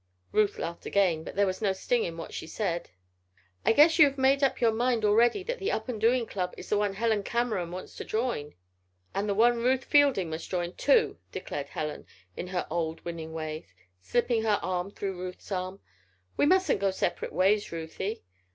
Ruth laughed again; but there was no sting in what she said: "I guess you have made up your mind already that the Up and Doing Club is the one Helen Cameron wants to join." "And the one Ruth Fielding must join, too!" declared Helen, in her old winning way, slipping her arm through Ruth's arm. "We mustn't go separate ways, Ruthie."